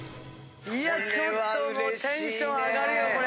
いやちょっともうテンション上がるよこれ。